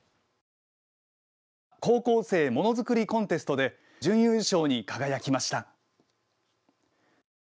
高校生ものづくりコンテストで準優勝に輝きました。